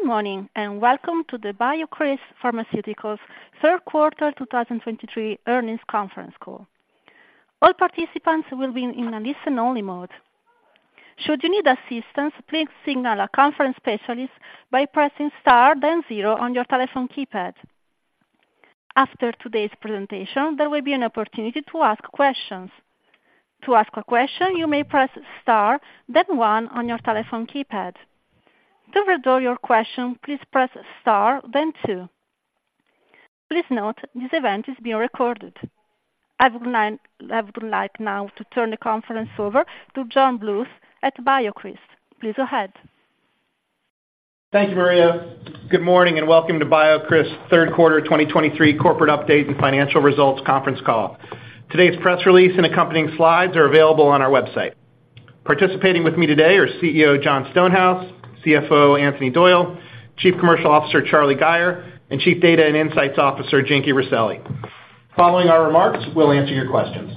Good morning, and welcome to the BioCryst Pharmaceuticals third quarter 2023 earnings conference call. All participants will be in a listen-only mode. Should you need assistance, please signal a conference specialist by pressing Star then zero on your telephone keypad. After today's presentation, there will be an opportunity to ask questions. To ask a question, you may press Star then one on your telephone keypad. To withdraw your question, please press Star then two. Please note, this event is being recorded. I would like now to turn the conference over to John Bluth at BioCryst. Please go ahead. Thank you, Maria. Good morning, and welcome to BioCryst's third quarter 2023 corporate update and financial results conference call. Today's press release and accompanying slides are available on our website. Participating with me today are CEO, Jon Stonehouse; CFO, Anthony Doyle; Chief Commercial Officer, Charlie Gayer, and Chief Data and Insights Officer, Jinky Rosselli. Following our remarks, we'll answer your questions.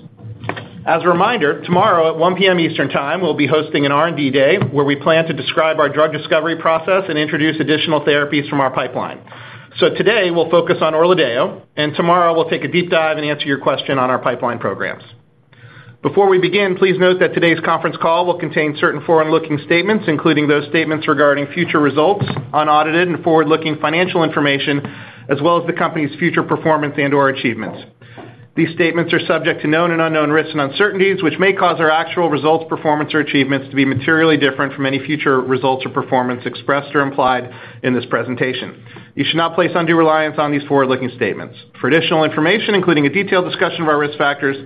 As a reminder, tomorrow at 1:00 P.M. Eastern Time, we'll be hosting an R&D day, where we plan to describe our drug discovery process and introduce additional therapies from our pipeline. So today, we'll focus on ORLADEYO, and tomorrow, we'll take a deep dive and answer your question on our pipeline programs. Before we begin, please note that today's conference call will contain certain forward-looking statements, including those statements regarding future results, unaudited and forward-looking financial information, as well as the company's future performance and/or achievements. These statements are subject to known and unknown risks and uncertainties, which may cause our actual results, performance, or achievements to be materially different from any future results or performance expressed or implied in this presentation. You should not place undue reliance on these forward-looking statements. For additional information, including a detailed discussion of our risk factors,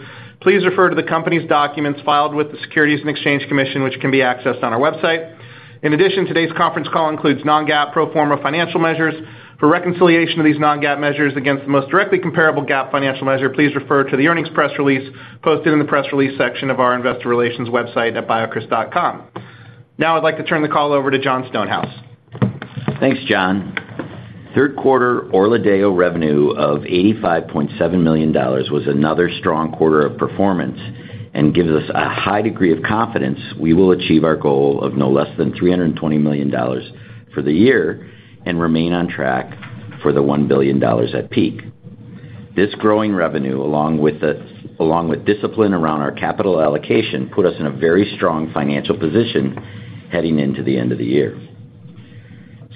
please refer to the company's documents filed with the Securities and Exchange Commission, which can be accessed on our website. In addition, today's conference call includes non-GAAP pro forma financial measures. For reconciliation of these non-GAAP measures against the most directly comparable GAAP financial measure, please refer to the earnings press release posted in the press release section of our investor relations website at biocryst.com. Now I'd like to turn the call over to Jon Stonehouse. Thanks, John. Third quarter ORLADEYO revenue of $85.7 million was another strong quarter of performance and gives us a high degree of confidence we will achieve our goal of no less than $320 million for the year and remain on track for the $1 billion at peak. This growing revenue, along with discipline around our capital allocation, put us in a very strong financial position heading into the end of the year.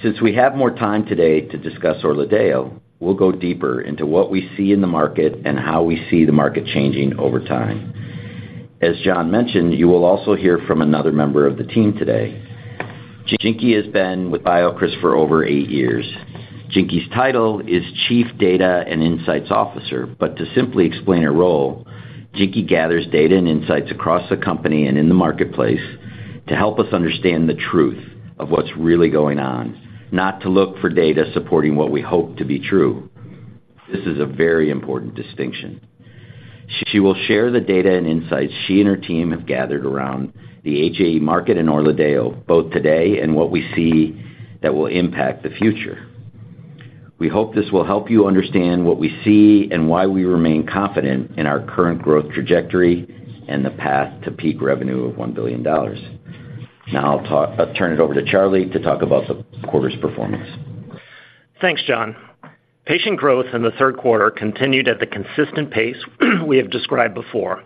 Since we have more time today to discuss ORLADEYO, we'll go deeper into what we see in the market and how we see the market changing over time. As John mentioned, you will also hear from another member of the team today. Jinky has been with BioCryst for over eight years. Jinky's title is Chief Data and Insights Officer, but to simply explain her role, Jinky gathers data and insights across the company and in the marketplace to help us understand the truth of what's really going on, not to look for data supporting what we hope to be true. This is a very important distinction. She will share the data and insights she and her team have gathered around the HA market and ORLADEYO, both today and what we see that will impact the future. We hope this will help you understand what we see and why we remain confident in our current growth trajectory and the path to peak revenue of $1 billion. Now, I'll turn it over to Charlie to talk about the quarter's performance. Thanks, John. Patient growth in the third quarter continued at the consistent pace we have described before.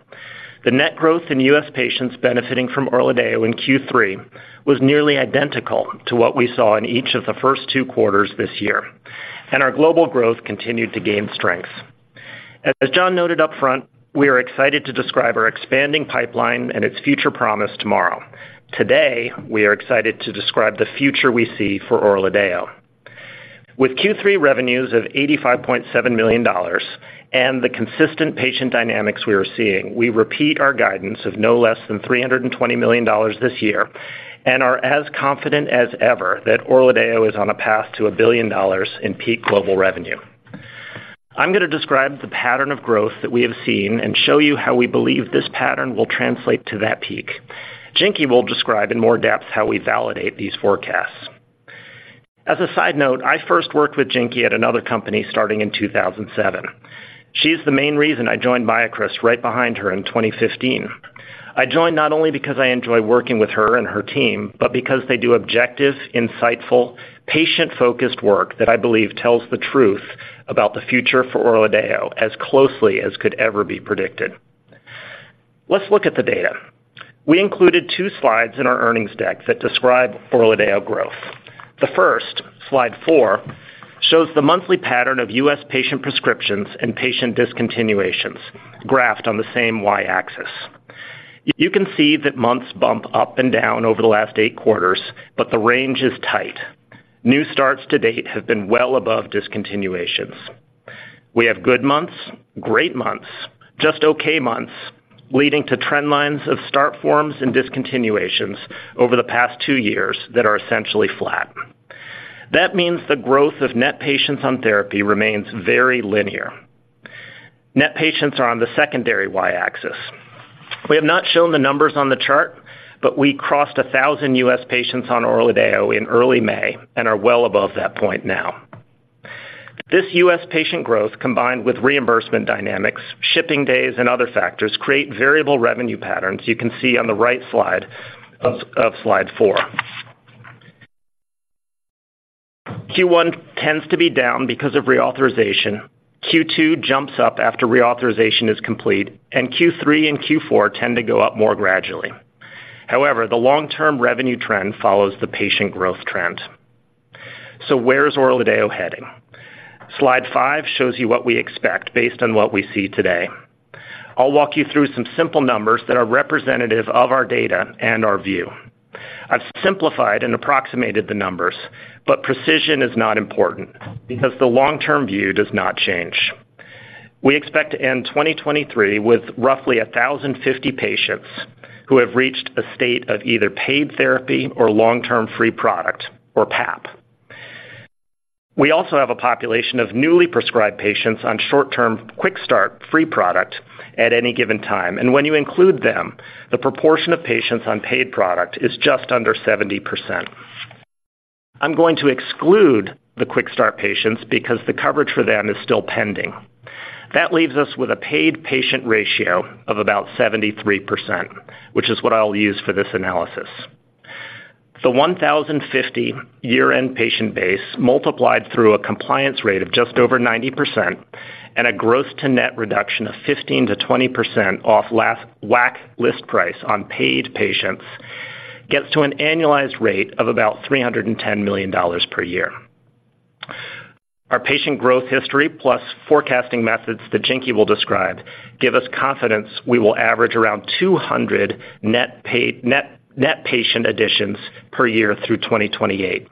The net growth in U.S. patients benefiting from ORLADEYO in Q3 was nearly identical to what we saw in each of the first two quarters this year, and our global growth continued to gain strength. As John noted up front, we are excited to describe our expanding pipeline and its future promise tomorrow. Today, we are excited to describe the future we see for ORLADEYO. With Q3 revenues of $85.7 million and the consistent patient dynamics we are seeing, we repeat our guidance of no less than $320 million this year and are as confident as ever that ORLADEYO is on a path to $1 billion in peak global revenue. I'm going to describe the pattern of growth that we have seen and show you how we believe this pattern will translate to that peak. Jinky will describe in more depth how we validate these forecasts. As a side note, I first worked with Jinky at another company starting in 2007. She's the main reason I joined BioCryst right behind her in 2015. I joined not only because I enjoy working with her and her team, but because they do objective, insightful, patient-focused work that I believe tells the truth about the future for ORLADEYO as closely as could ever be predicted. Let's look at the data. We included 2 slides in our earnings deck that describe ORLADEYO growth. The first, slide 4, shows the monthly pattern of U.S. patient prescriptions and patient discontinuations graphed on the same Y-axis. You can see that months bump up and down over the last 8 quarters, but the range is tight. New starts to date have been well above discontinuations. We have good months, great months, just okay months, leading to trend lines of start forms and discontinuations over the past two years that are essentially flat. That means the growth of net patients on therapy remains very linear. Net patients are on the secondary Y-axis. We have not shown the numbers on the chart, but we crossed 1,000 U.S. patients on ORLADEYO in early May and are well above that point now. This U.S. patient growth, combined with reimbursement dynamics, shipping days, and other factors, create variable revenue patterns you can see on the right slide of Slide 4. Q1 tends to be down because of reauthorization, Q2 jumps up after reauthorization is complete, and Q3 and Q4 tend to go up more gradually. However, the long-term revenue trend follows the patient growth trend. So where is ORLADEYO heading? Slide 5 shows you what we expect based on what we see today. I'll walk you through some simple numbers that are representative of our data and our view. I've simplified and approximated the numbers, but precision is not important because the long-term view does not change. We expect to end 2023 with roughly 1,050 patients who have reached a state of either paid therapy or long-term free product, or PAP. We also have a population of newly prescribed patients on short-term quick-start free product at any given time, and when you include them, the proportion of patients on paid product is just under 70%. I'm going to exclude the quick-start patients because the coverage for them is still pending. That leaves us with a paid patient ratio of about 73%, which is what I'll use for this analysis. The 1,050 year-end patient base multiplied through a compliance rate of just over 90% and a gross to net reduction of 15%-20% off last WAC list price on paid patients, gets to an annualized rate of about $310 million per year. Our patient growth history, plus forecasting methods that Jinky will describe, give us confidence we will average around 200 net paid – net net patient additions per year through 2028.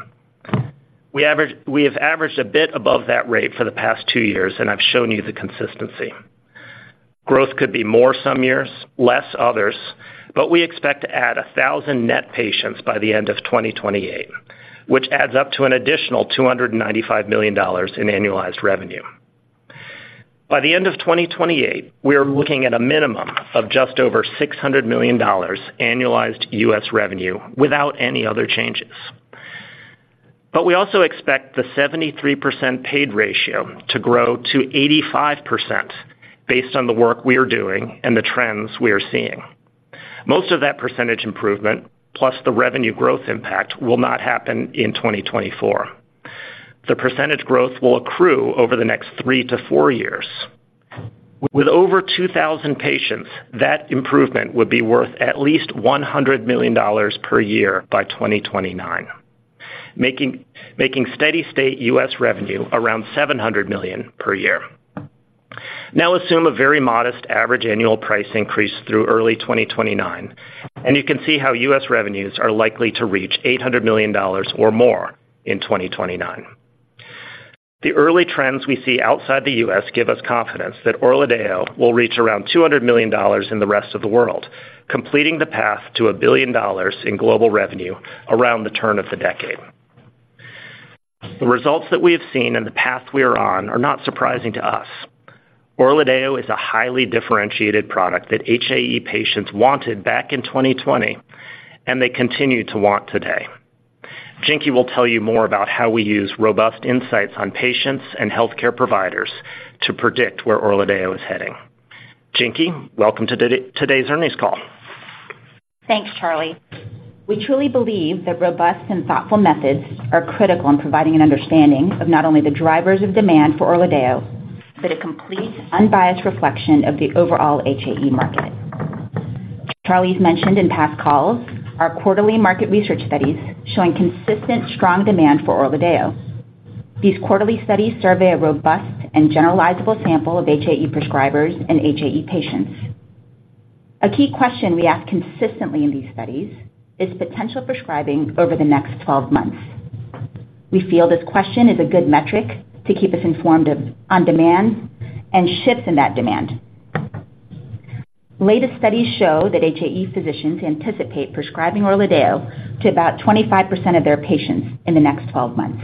We average... We have averaged a bit above that rate for the past 2 years, and I've shown you the consistency. Growth could be more some years, less others, but we expect to add 1,000 net patients by the end of 2028, which adds up to an additional $295 million in annualized revenue. By the end of 2028, we are looking at a minimum of just over $600 million annualized US revenue without any other changes. But we also expect the 73% paid ratio to grow to 85% based on the work we are doing and the trends we are seeing. Most of that percentage improvement, plus the revenue growth impact, will not happen in 2024. The percentage growth will accrue over the next 3-4 years. With over 2,000 patients, that improvement would be worth at least $100 million per year by 2029, making steady state U.S. revenue around $700 million per year. Now, assume a very modest average annual price increase through early 2029, and you can see how U.S. revenues are likely to reach $800 million or more in 2029. The early trends we see outside the U.S. give us confidence that ORLADEYO will reach around $200 million in the rest of the world, completing the path to $1 billion in global revenue around the turn of the decade. The results that we have seen and the path we are on are not surprising to us. ORLADEYO is a highly differentiated product that HAE patients wanted back in 2020, and they continue to want today. Jinky will tell you more about how we use robust insights on patients and healthcare providers to predict where ORLADEYO is heading. Jinky, welcome to today's earnings call. Thanks, Charlie. We truly believe that robust and thoughtful methods are critical in providing an understanding of not only the drivers of demand for ORLADEYO, but a complete, unbiased reflection of the overall HAE market. Charlie's mentioned in past calls, our quarterly market research studies showing consistent, strong demand for ORLADEYO. These quarterly studies survey a robust and generalizable sample of HAE prescribers and HAE patients. A key question we ask consistently in these studies is potential prescribing over the next 12 months. We feel this question is a good metric to keep us informed on demand and shifts in that demand. Latest studies show that HAE physicians anticipate prescribing ORLADEYO to about 25% of their patients in the next 12 months.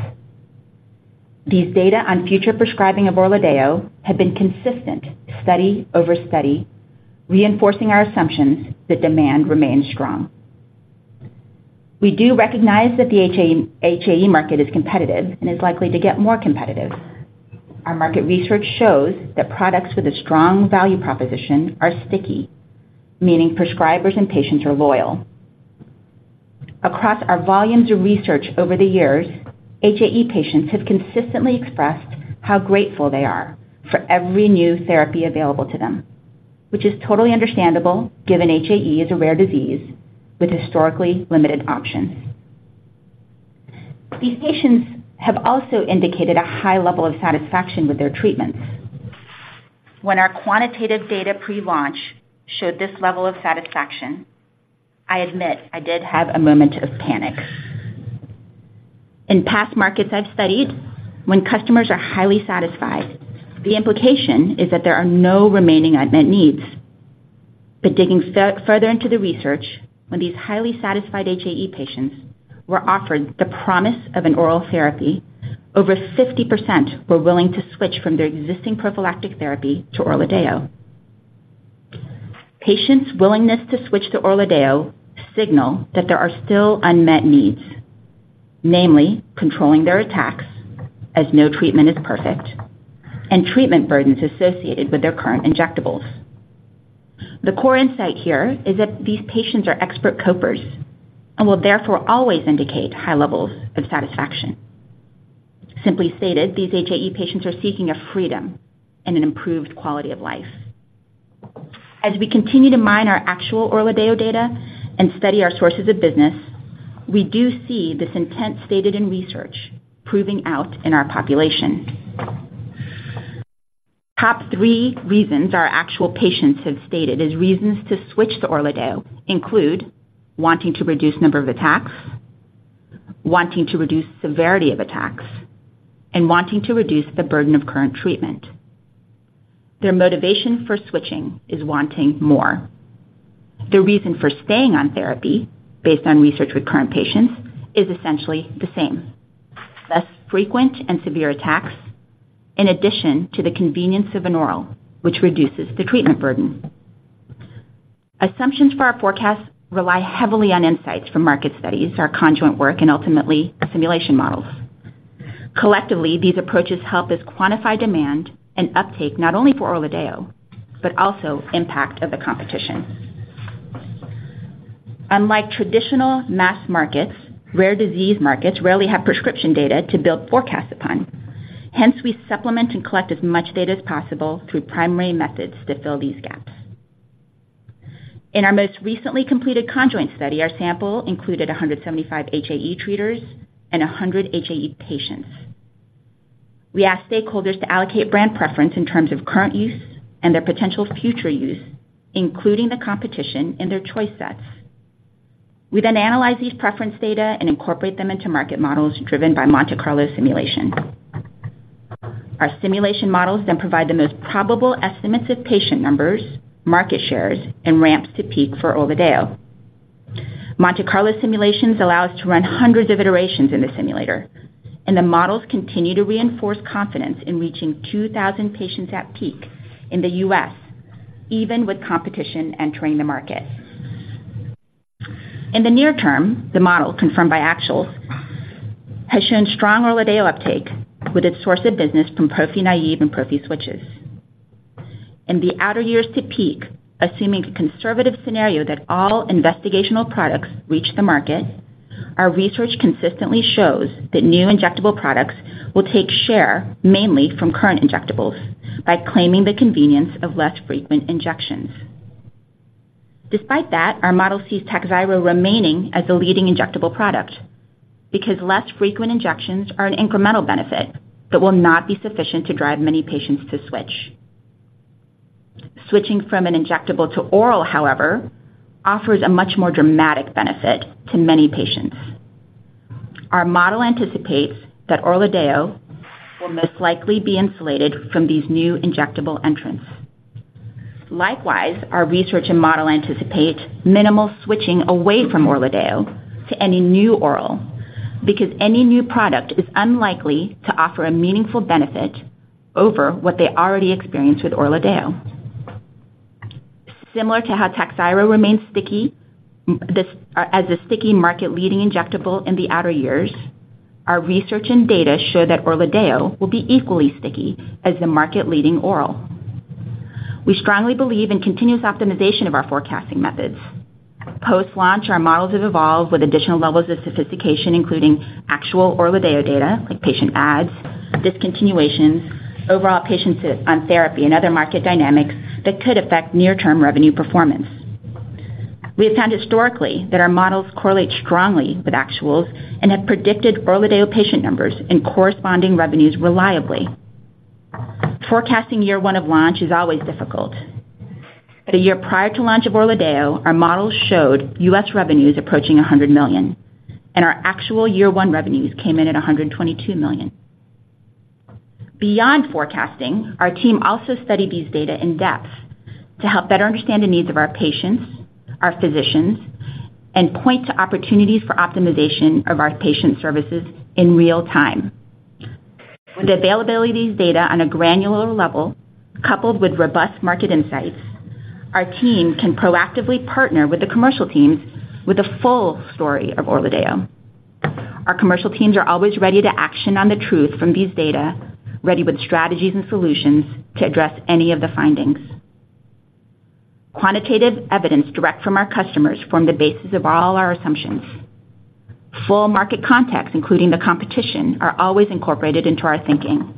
These data on future prescribing of ORLADEYO have been consistent study over study, reinforcing our assumptions that demand remains strong. We do recognize that the HAE, HAE market is competitive and is likely to get more competitive. Our market research shows that products with a strong value proposition are sticky, meaning prescribers and patients are loyal. Across our volumes of research over the years, HAE patients have consistently expressed how grateful they are for every new therapy available to them, which is totally understandable given HAE is a rare disease with historically limited options. These patients have also indicated a high level of satisfaction with their treatments. When our quantitative data pre-launch showed this level of satisfaction, I admit I did have a moment of panic. In past markets I've studied, when customers are highly satisfied, the implication is that there are no remaining unmet needs. But digging further into the research, when these highly satisfied HAE patients were offered the promise of an oral therapy, over 50% were willing to switch from their existing prophylactic therapy to ORLADEYO. Patients' willingness to switch to ORLADEYO signal that there are still unmet needs, namely controlling their attacks, as no treatment is perfect, and treatment burdens associated with their current injectables. The core insight here is that these patients are expert copers and will therefore always indicate high levels of satisfaction. Simply stated, these HAE patients are seeking a freedom and an improved quality of life. As we continue to mine our actual ORLADEYO data and study our sources of business, we do see this intent stated in research proving out in our population. Top three reasons our actual patients have stated as reasons to switch to ORLADEYO include wanting to reduce number of attacks, wanting to reduce severity of attacks, and wanting to reduce the burden of current treatment. Their motivation for switching is wanting more. Their reason for staying on therapy, based on research with current patients, is essentially the same: less frequent and severe attacks, in addition to the convenience of an oral, which reduces the treatment burden. Assumptions for our forecasts rely heavily on insights from market studies, our conjoint work, and ultimately, the simulation models. Collectively, these approaches help us quantify demand and uptake, not only for ORLADEYO, but also impact of the competition. Unlike traditional mass markets, rare disease markets rarely have prescription data to build forecasts upon. Hence, we supplement and collect as much data as possible through primary methods to fill these gaps. In our most recently completed conjoint study, our sample included 175 HAE treaters and 100 HAE patients. We asked stakeholders to allocate brand preference in terms of current use and their potential future use, including the competition in their choice sets. We then analyze these preference data and incorporate them into market models driven by Monte Carlo simulation. Our simulation models then provide the most probable estimates of patient numbers, market shares, and ramps to peak for ORLADEYO. Monte Carlo simulations allow us to run hundreds of iterations in the simulator, and the models continue to reinforce confidence in reaching 2,000 patients at peak in the U.S., even with competition entering the market. In the near term, the model, confirmed by actuals, has shown strong ORLADEYO uptake with its source of business from prophy-naive and prophy switches. In the outer years to peak, assuming a conservative scenario that all investigational products reach the market, our research consistently shows that new injectable products will take share mainly from current injectables by claiming the convenience of less frequent injections. Despite that, our model sees TAKHZYRO remaining as the leading injectable product, because less frequent injections are an incremental benefit that will not be sufficient to drive many patients to switch. Switching from an injectable to oral, however, offers a much more dramatic benefit to many patients. Our model anticipates that ORLADEYO will most likely be insulated from these new injectable entrants. Likewise, our research and model anticipate minimal switching away from ORLADEYO to any new oral, because any new product is unlikely to offer a meaningful benefit over what they already experience with ORLADEYO. Similar to how TAKHZYRO remains sticky, this as a sticky market-leading injectable in the outer years, our research and data show that ORLADEYO will be equally sticky as the market-leading oral. We strongly believe in continuous optimization of our forecasting methods. Post-launch, our models have evolved with additional levels of sophistication, including actual ORLADEYO data, like patient adds, discontinuations, overall patients on therapy, and other market dynamics that could affect near-term revenue performance. We have found historically that our models correlate strongly with actuals and have predicted ORLADEYO patient numbers and corresponding revenues reliably. Forecasting year one of launch is always difficult. But a year prior to launch of ORLADEYO, our models showed U.S. revenues approaching $100 million, and our actual year one revenues came in at $122 million. Beyond forecasting, our team also studied these data in depth to help better understand the needs of our patients, our physicians, and point to opportunities for optimization of our patient services in real time. With the availability of these data on a granular level, coupled with robust market insights, our team can proactively partner with the commercial teams with a full story of ORLADEYO. Our commercial teams are always ready to action on the truth from these data, ready with strategies and solutions to address any of the findings. Quantitative evidence direct from our customers form the basis of all our assumptions. Full market context, including the competition, are always incorporated into our thinking.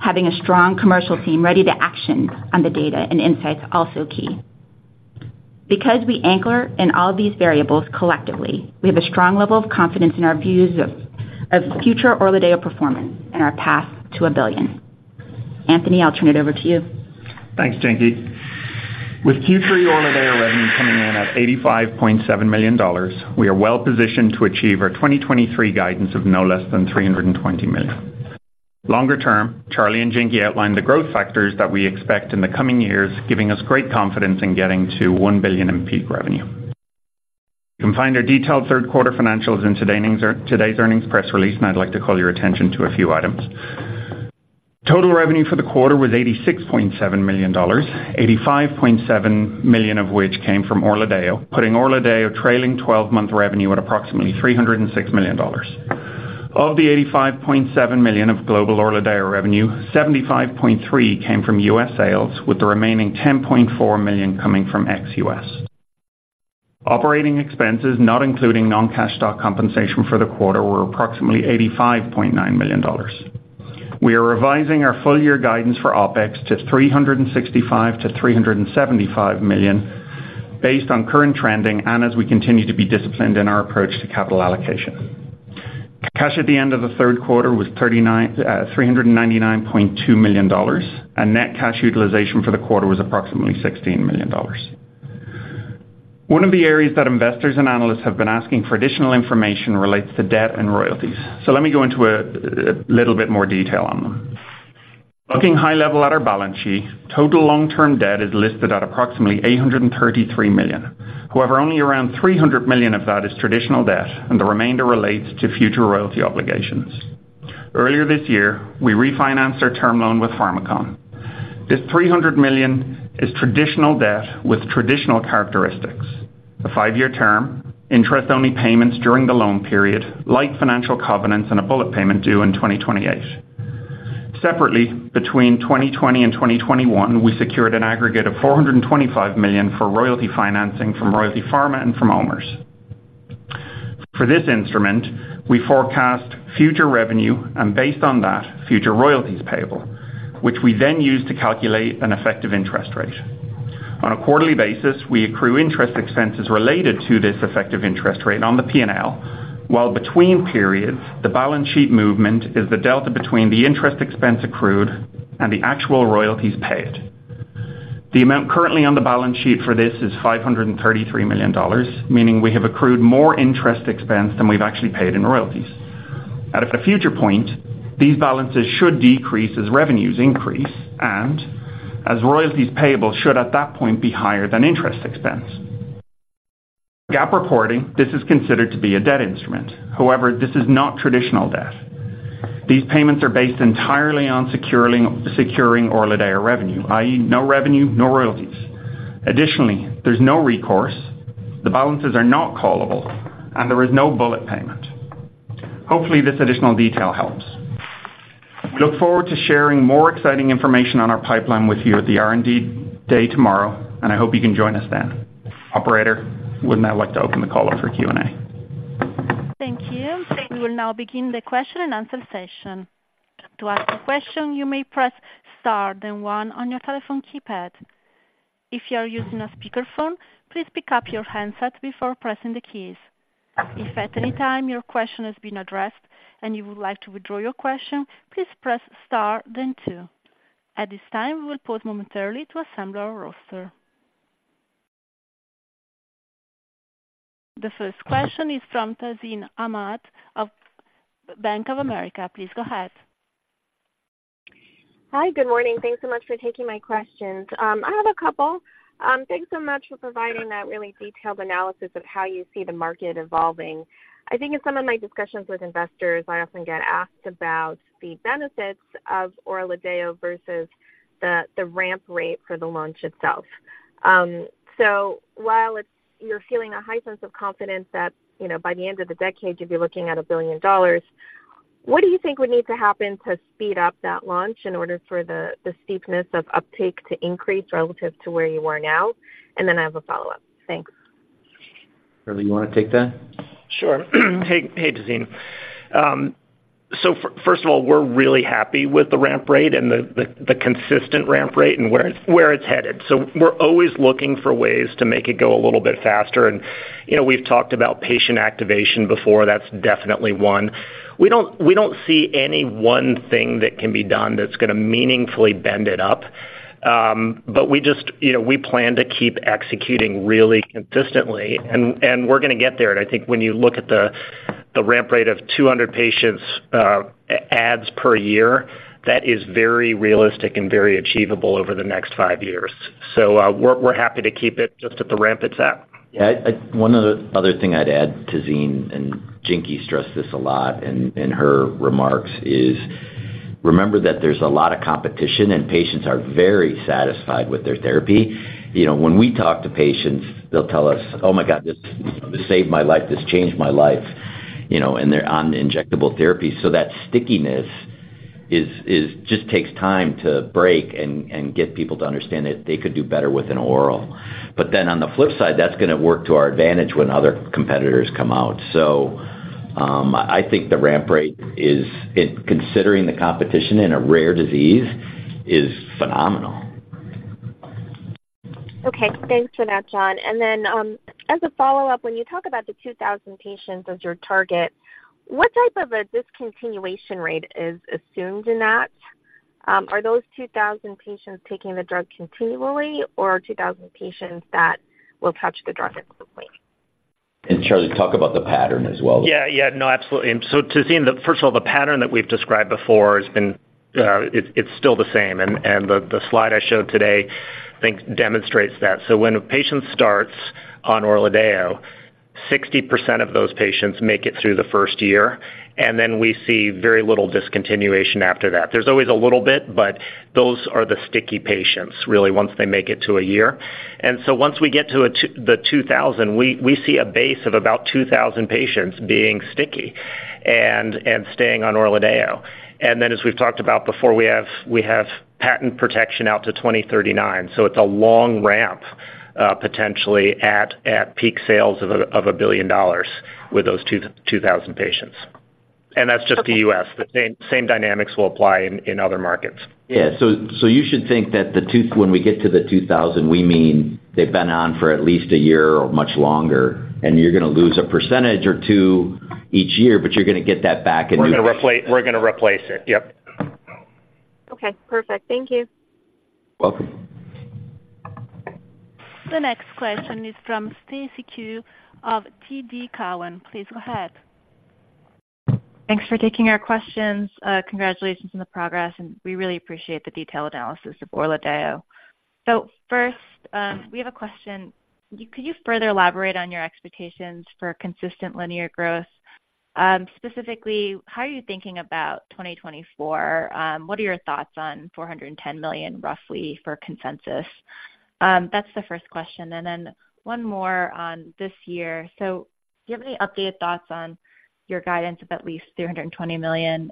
Having a strong commercial team ready to action on the data and insights are also key. Because we anchor in all these variables collectively, we have a strong level of confidence in our views of future ORLADEYO performance and our path to $1 billion. Anthony, I'll turn it over to you. Thanks, Jinky. With Q3 ORLADEYO revenue coming in at $85.7 million, we are well positioned to achieve our 2023 guidance of no less than $320 million. Longer term, Charlie and Jinky outlined the growth factors that we expect in the coming years, giving us great confidence in getting to $1 billion in peak revenue. You can find our detailed third quarter financials in today's earnings press release, and I'd like to call your attention to a few items. Total revenue for the quarter was $86.7 million, $85.7 million of which came from ORLADEYO, putting ORLADEYO trailing twelve-month revenue at approximately $306 million. Of the $85.7 million of global ORLADEYO revenue, $75.3 million came from U.S. sales, with the remaining $10.4 million coming from ex-U.S. Operating expenses, not including non-cash stock compensation for the quarter, were approximately $85.9 million. We are revising our full year guidance for OpEx to $365 million-$375 million, based on current trending and as we continue to be disciplined in our approach to capital allocation. Cash at the end of the third quarter was $399.2 million, and net cash utilization for the quarter was approximately $16 million. One of the areas that investors and analysts have been asking for additional information relates to debt and royalties. Let me go into a little bit more detail on them. Looking high level at our balance sheet, total long-term debt is listed at approximately $833 million. However, only around $300 million of that is traditional debt, and the remainder relates to future royalty obligations. Earlier this year, we refinanced our term loan with Pharmakon. This $300 million is traditional debt with traditional characteristics, a 5-year term, interest-only payments during the loan period, light financial covenants, and a bullet payment due in 2028. Separately, between 2020 and 2021, we secured an aggregate of $425 million for royalty financing from Royalty Pharma and from OMERS. For this instrument, we forecast future revenue and based on that, future royalties payable, which we then use to calculate an effective interest rate. On a quarterly basis, we accrue interest expenses related to this effective interest rate on the P&L, while between periods, the balance sheet movement is the delta between the interest expense accrued and the actual royalties paid. The amount currently on the balance sheet for this is $533 million, meaning we have accrued more interest expense than we've actually paid in royalties. At a future point, these balances should decrease as revenues increase and as royalties payable should, at that point, be higher than interest expense. GAAP reporting, this is considered to be a debt instrument. However, this is not traditional debt. These payments are based entirely on securing, securing ORLADEYO revenue, i.e., no revenue, no royalties. Additionally, there's no recourse, the balances are not callable, and there is no bullet payment. Hopefully, this additional detail helps. We look forward to sharing more exciting information on our pipeline with you at the R&D day tomorrow, and I hope you can join us then. Operator, we'd now like to open the call up for Q&A. Thank you. We will now begin the question-and-answer session. To ask a question, you may press star then one on your telephone keypad. If you are using a speakerphone, please pick up your handset before pressing the keys. If at any time your question has been addressed and you would like to withdraw your question, please press star then two. At this time, we will pause momentarily to assemble our roster. The first question is from Tazeen Ahmad of Bank of America. Please go ahead. Hi, good morning. Thanks so much for taking my questions. I have a couple. Thanks so much for providing that really detailed analysis of how you see the market evolving. I think in some of my discussions with investors, I often get asked about the benefits of ORLADEYO versus the, the ramp rate for the launch itself. So while it's, you're feeling a high sense of confidence that, you know, by the end of the decade, you'll be looking at $1 billion, what do you think would need to happen to speed up that launch in order for the, the steepness of uptake to increase relative to where you are now? And then I have a follow-up. Thanks. Charlie, you wanna take that? Sure. Hey, Tahseen. So first of all, we're really happy with the ramp rate and the consistent ramp rate and where it's headed. So we're always looking for ways to make it go a little bit faster. And, you know, we've talked about patient activation before. That's definitely one. We don't see any one thing that can be done that's gonna meaningfully bend it up. But we just, you know, we plan to keep executing really consistently, and we're gonna get there. And I think when you look at the ramp rate of 200 patients adds per year, that is very realistic and very achievable over the next five years. So, we're happy to keep it just at the ramp it's at. Yeah, one other thing I'd add, Tahseen, and Jinky stressed this a lot in her remarks, is remember that there's a lot of competition, and patients are very satisfied with their therapy. You know, when we talk to patients, they'll tell us, "Oh, my God, this saved my life. This changed my life," you know, and they're on injectable therapy. So that stickiness just takes time to break and get people to understand that they could do better with an oral. But then on the flip side, that's gonna work to our advantage when other competitors come out. So I think the ramp rate, in considering the competition in a rare disease, is phenomenal. Okay, thanks for that, John. And then, as a follow-up, when you talk about the 2000 patients as your target, what type of a discontinuation rate is assumed in that? Are those 2000 patients taking the drug continually or 2000 patients that will touch the drug at some point? Charlie, talk about the pattern as well. Yeah, yeah. No, absolutely. And so to see in the first of all, the pattern that we've described before has been... it's still the same, and the slide I showed today, I think, demonstrates that. So when a patient starts on ORLADEYO, 60% of those patients make it through the first year, and then we see very little discontinuation after that. There's always a little bit, but those are the sticky patients, really, once they make it to a year. And so once we get to the 2,000, we see a base of about 2,000 patients being sticky and staying on ORLADEYO. As we've talked about before, we have patent protection out to 2039, so it's a long ramp, potentially at peak sales of $1 billion with those 2,000 patients. And that's just the US. The same dynamics will apply in other markets. Yeah. So, so you should think that the 2,000—when we get to the 2,000, we mean they've been on for at least a year or much longer, and you're gonna lose a percentage or 2 each year, but you're gonna get that back in new- We're gonna replace it. Yep. Okay, perfect. Thank you. Welcome. The next question is from Stacy Ku of TD Cowen. Please go ahead. Thanks for taking our questions. Congratulations on the progress, and we really appreciate the detailed analysis of ORLADEYO. So first, we have a question. Could you further elaborate on your expectations for consistent linear growth? Specifically, how are you thinking about 2024? What are your thoughts on $410 million, roughly, for consensus? That's the first question. Then one more on this year: Do you have any updated thoughts on your guidance of at least $320 million?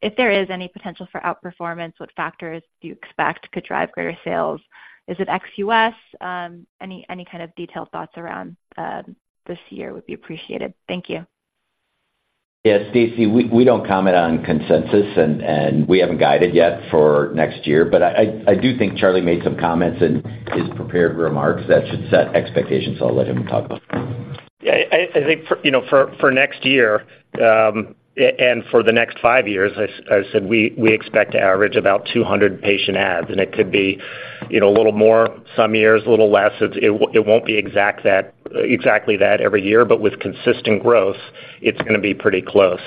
If there is any potential for outperformance, what factors do you expect could drive greater sales? Is it ex-US? Any kind of detailed thoughts around this year would be appreciated. Thank you. Yeah, Stacy, we don't comment on consensus, and we haven't guided yet for next year, but I do think Charlie made some comments in his prepared remarks that should set expectations, so I'll let him talk about it. Yeah, I think for, you know, for next year, and for the next five years, I said we expect to average about 200 patient adds, and it could be, you know, a little more some years, a little less. It won't be exactly that every year, but with consistent growth, it's gonna be pretty close.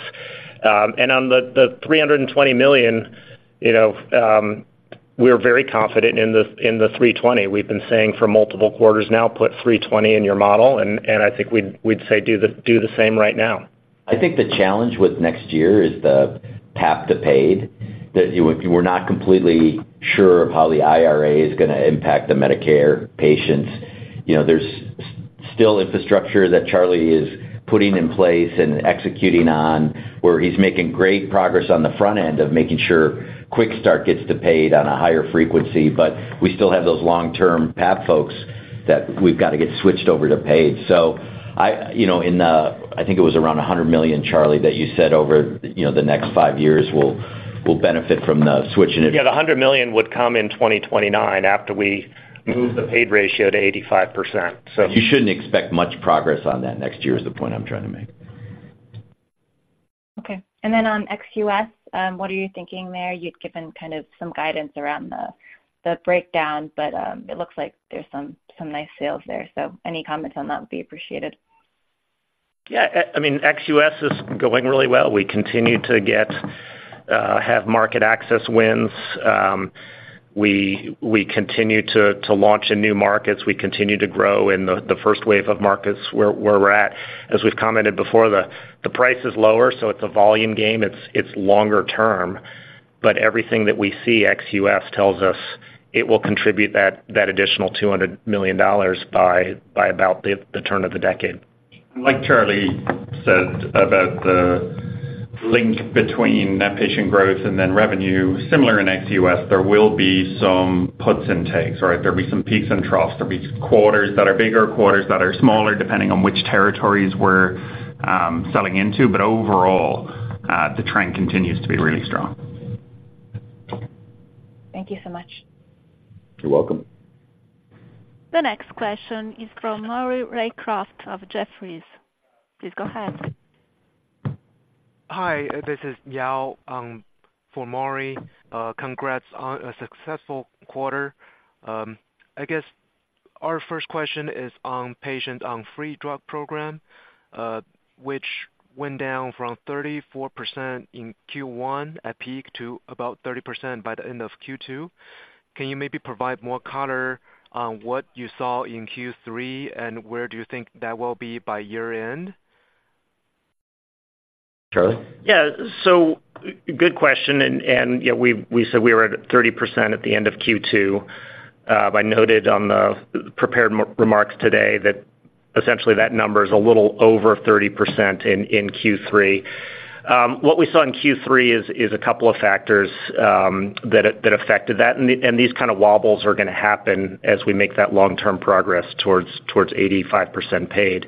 And on the $320 million, you know, we're very confident in the 320. We've been saying for multiple quarters now, "Put 320 in your model," and I think we'd say, do the same right now. I think the challenge with next year is the PAP to paid, that we're not completely sure of how the IRA is gonna impact the Medicare patients. You know, there's still infrastructure that Charlie is putting in place and executing on, where he's making great progress on the front end of making sure quick-start gets to paid on a higher frequency. But we still have those long-term PAP folks that we've got to get switched over to paid. So, you know, in the, I think it was around $100 million, Charlie, that you said over, you know, the next five years, we'll, we'll benefit from the switch, and it- Yeah, the $100 million would come in 2029 after we move the paid ratio to 85%, so- You shouldn't expect much progress on that next year, is the point I'm trying to make. Okay. And then on ex-US, what are you thinking there? You'd given kind of some guidance around the breakdown, but it looks like there's some nice sales there. So any comments on that would be appreciated. Yeah, I mean, ex-US is going really well. We continue to get have market access wins. We continue to launch in new markets. We continue to grow in the first wave of markets where we're at. As we've commented before, the price is lower, so it's a volume game. It's longer term, but everything that we see ex-US tells us it will contribute that additional $200 million by about the turn of the decade. Like Charlie said about the link between net patient growth and then revenue, similar in ex-US, there will be some puts and takes, right? There'll be some peaks and troughs. There'll be quarters that are bigger, quarters that are smaller, depending on which territories we're selling into. But overall, the trend continues to be really strong. Thank you so much. You're welcome. The next question is from Maury Raycroft of Jefferies. Please go ahead. Hi, this is Yao for Maury. Congrats on a successful quarter. I guess our first question is on patients on free drug program, which went down from 34% in Q1 at peak to about 30% by the end of Q2. Can you maybe provide more color on what you saw in Q3, and where do you think that will be by year-end? Charlie? Yeah, so good question, and, and, you know, we, we said we were at 30% at the end of Q2. I noted on the prepared remarks today that essentially that number is a little over 30% in Q3. What we saw in Q3 is a couple of factors that affected that, and these kind of wobbles are gonna happen as we make that long-term progress towards 85% paid.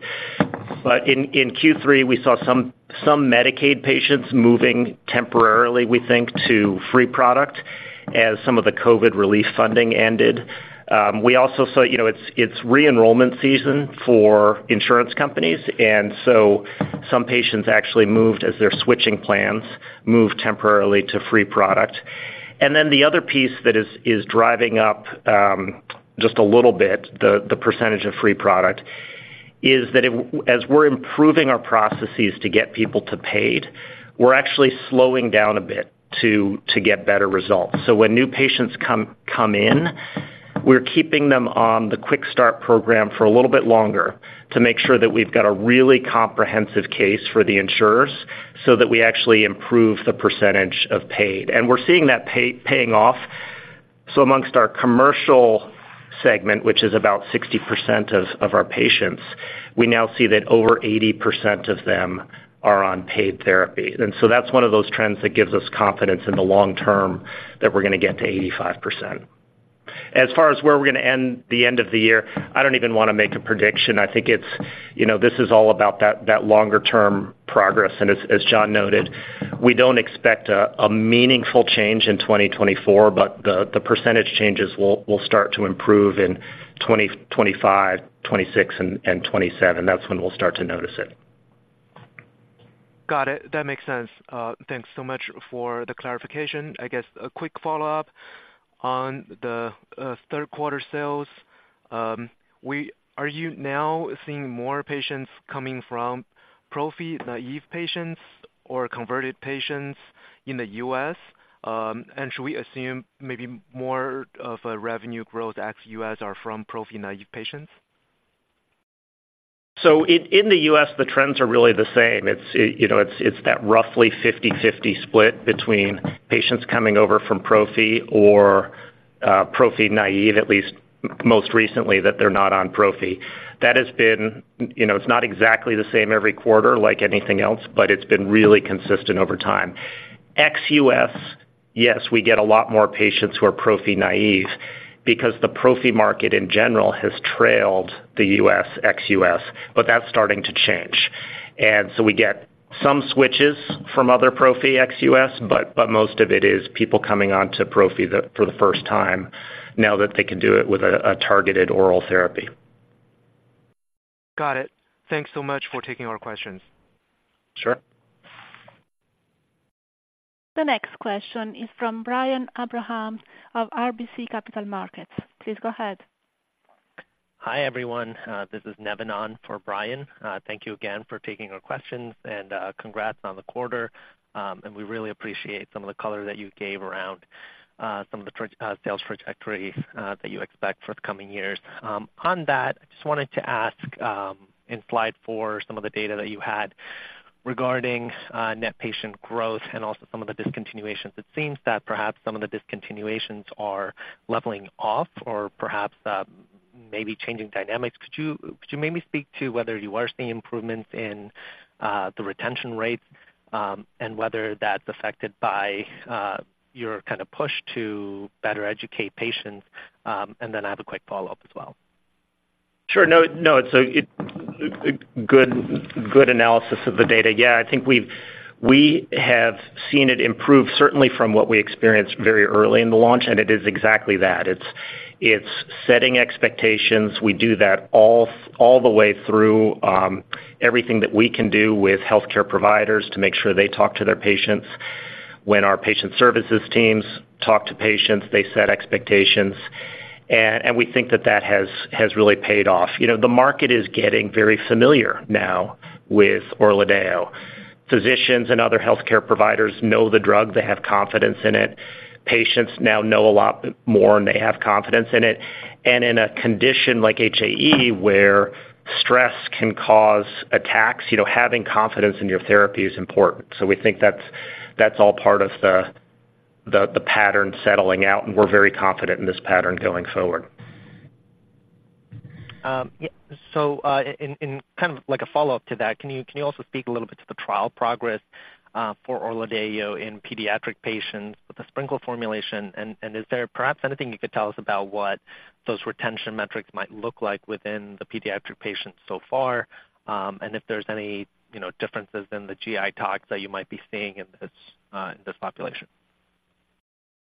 But in Q3, we saw some Medicaid patients moving temporarily, we think, to free product as some of the COVID relief funding ended. We also saw... You know, it's re-enrollment season for insurance companies, and so some patients actually moved, as they're switching plans, moved temporarily to free product. And then the other piece that is driving up just a little bit the percentage of free product is that as we're improving our processes to get people to paid, we're actually slowing down a bit to get better results. So when new patients come in, we're keeping them on the Quick-start program for a little bit longer to make sure that we've got a really comprehensive case for the insurers so that we actually improve the percentage of paid. And we're seeing that paying off. So amongst our commercial segment, which is about 60% of our patients, we now see that over 80% of them are on paid therapy. And so that's one of those trends that gives us confidence in the long term that we're gonna get to 85%. As far as where we're gonna end the end of the year, I don't even wanna make a prediction. I think it's, you know, this is all about that longer-term progress, and as John noted, we don't expect a meaningful change in 2024, but the percentage changes will start to improve in 2025, 2026 and 2027. That's when we'll start to notice it. Got it. That makes sense. Thanks so much for the clarification. I guess a quick follow-up. On the third quarter sales, are you now seeing more patients coming from prophy-naive patients or converted patients in the U.S.? And should we assume maybe more of a revenue growth ex-US are from prophy-naive patients? So in the US, the trends are really the same. It's, you know, it's that roughly 50/50 split between patients coming over from prophy or prophy naive, at least most recently, that they're not on prophy. That has been, you know, it's not exactly the same every quarter like anything else, but it's been really consistent over time. Ex-US, yes, we get a lot more patients who are prophy naive because the prophy market in general has trailed the US ex-US, but that's starting to change. And so we get some switches from other prophy ex-US, but most of it is people coming onto prophy for the first time now that they can do it with a targeted oral therapy. Got it. Thanks so much for taking our questions. Sure. The next question is from Brian Abrahams of RBC Capital Markets. Please go ahead. Hi, everyone, this is Nevin on for Brian. Thank you again for taking our questions, and, congrats on the quarter. We really appreciate some of the color that you gave around, some of the sales trajectories, that you expect for the coming years. On that, I just wanted to ask, in slide four, some of the data that you had regarding, net patient growth and also some of the discontinuations. It seems that perhaps some of the discontinuations are leveling off or perhaps, maybe changing dynamics. Could you, could you maybe speak to whether you are seeing improvements in, the retention rates, and whether that's affected by, your kind of push to better educate patients? Then I have a quick follow-up as well. Sure. No, no, it's a good, good analysis of the data. Yeah, I think we've we have seen it improve, certainly from what we experienced very early in the launch, and it is exactly that. It's, it's setting expectations. We do that all all the way through everything that we can do with healthcare providers to make sure they talk to their patients. When our patient services teams talk to patients, they set expectations, and, and we think that that has, has really paid off. You know, the market is getting very familiar now with ORLADEYO. Physicians and other healthcare providers know the drug. They have confidence in it. Patients now know a lot more, and they have confidence in it. And in a condition like HAE, where stress can cause attacks, you know, having confidence in your therapy is important. So we think that's all part of the pattern settling out, and we're very confident in this pattern going forward. Yeah, so in kind of like a follow-up to that, can you also speak a little bit to the trial progress for ORLADEYO in pediatric patients with the sprinkle formulation? And is there perhaps anything you could tell us about what those retention metrics might look like within the pediatric patients so far? And if there's any, you know, differences in the GI tox that you might be seeing in this population.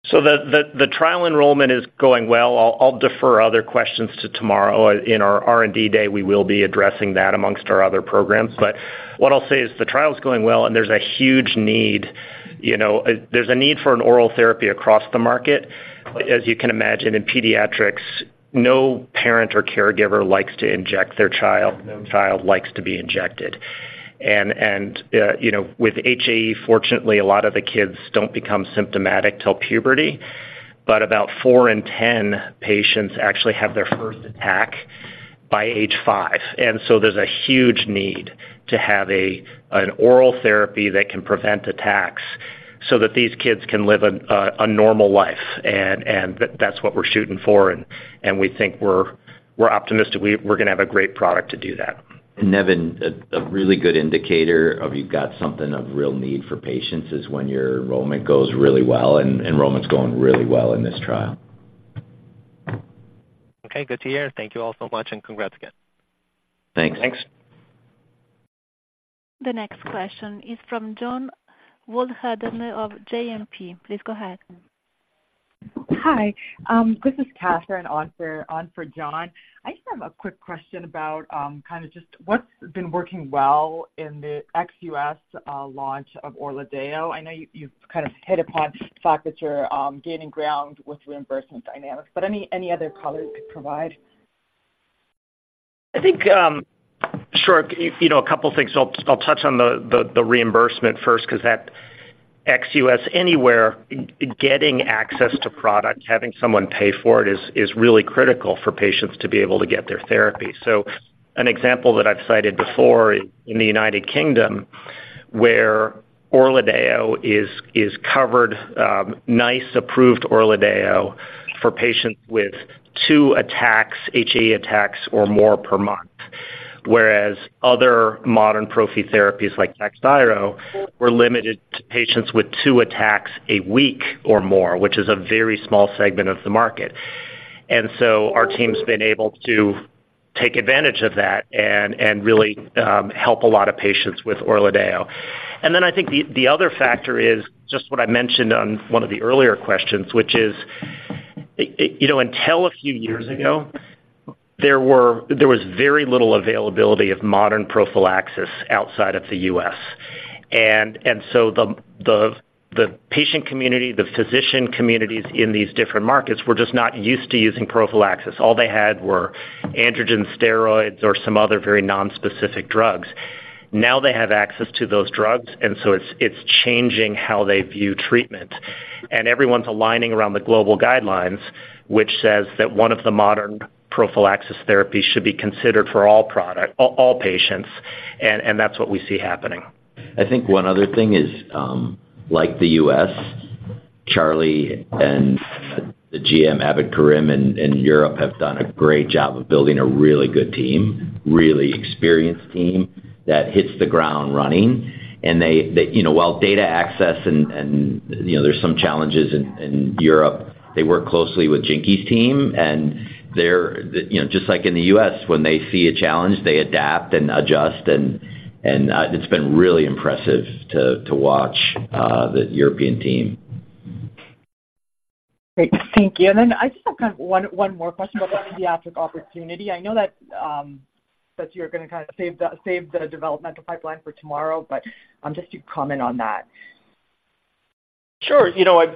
So the trial enrollment is going well. I'll defer other questions to tomorrow. In our R&D day, we will be addressing that among our other programs. But what I'll say is the trial is going well, and there's a huge need, you know, there's a need for an oral therapy across the market. As you can imagine, in pediatrics, no parent or caregiver likes to inject their child, no child likes to be injected. And you know, with HAE, fortunately, a lot of the kids don't become symptomatic till puberty, but about four in ten patients actually have their first attack by age five. And so there's a huge need to have an oral therapy that can prevent attacks so that these kids can live a normal life. And that's what we're shooting for, and we think we're optimistic we're gonna have a great product to do that. Nevin, a really good indicator of you've got something of real need for patients is when your enrollment goes really well, and enrollment's going really well in this trial. Okay, good to hear. Thank you all so much, and congrats again. Thanks. Thanks. The next question is from Jon Wolleben of JMP. Please go ahead. Hi. This is Catherine on for John. I just have a quick question about kind of just what's been working well in the ex-US launch of ORLADEYO. I know you've kind of hit upon the fact that you're gaining ground with reimbursement dynamics, but any other color you could provide?... I think, sure, you know, a couple things. I'll touch on the reimbursement first, 'cause that ex-US anywhere, getting access to product, having someone pay for it is really critical for patients to be able to get their therapy. So an example that I've cited before in the United Kingdom, where ORLADEYO is covered, NICE-approved ORLADEYO for patients with two attacks, HAE attacks or more per month, whereas other modern prophy therapies like TAKHZYRO were limited to patients with two attacks a week or more, which is a very small segment of the market. And so our team's been able to take advantage of that and really help a lot of patients with ORLADEYO. And then I think the other factor is just what I mentioned on one of the earlier questions, which is, you know, until a few years ago, there was very little availability of modern prophylaxis outside of the U.S. And so the patient community, the physician communities in these different markets were just not used to using prophylaxis. All they had were androgen steroids or some other very nonspecific drugs. Now they have access to those drugs, and so it's changing how they view treatment. And everyone's aligning around the global guidelines, which says that one of the modern prophylaxis therapies should be considered for all patients, and that's what we see happening. I think one other thing is, like the U.S., Charlie and the GM, Abed Karim, in Europe, have done a great job of building a really good team, really experienced team that hits the ground running. And they, you know, while data access and, you know, there's some challenges in Europe, they work closely with Jinky's team, and they're, you know, just like in the U.S., when they see a challenge, they adapt and adjust, and it's been really impressive to watch the European team. Great. Thank you. And then I just have kind of one, one more question about the pediatric opportunity. I know that, that you're gonna kind of save the, save the developmental pipeline for tomorrow, but just to comment on that. Sure. You know, I